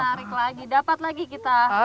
tarik lagi dapat lagi kita